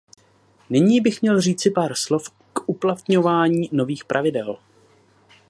Nyní bych měl říci pár slov k uplatňování nových pravidel.